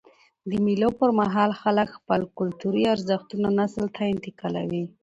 د مېلو پر مهال خلک خپل کلتوري ارزښتونه نسل ته انتقالوي.